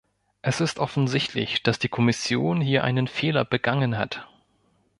Es ist offensichtlich, dass die Kommission hier einen Fehler begangen hat.